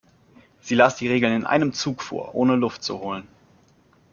Sie las die Regeln in einem Zug vor, ohne Luft zu holen.